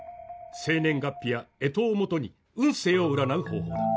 生年月日や干支をもとに運勢を占う方法だ。